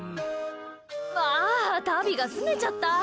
ああ、タビがすねちゃった！